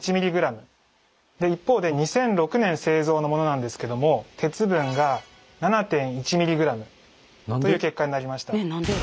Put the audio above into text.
一方で２００６年製造のものなんですけども鉄分が７．１ｍｇという結果になりました。